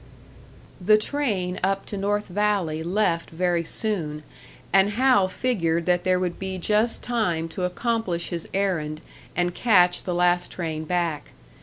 The train up to North Valley left very soon, and Hal figured that there would be just time to accomplish his errand and catch the last train back.